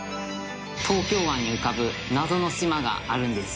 東京湾に浮かぶ謎の島があるんです。